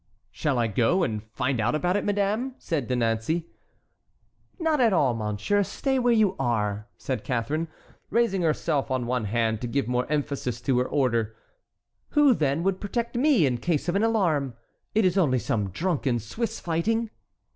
"Shall I go and find out about it, madame?" said De Nancey. "Not at all, monsieur, stay where you are," said Catharine, raising herself on one hand to give more emphasis to her order. "Who, then, would protect me in case of an alarm? It is only some drunken Swiss fighting."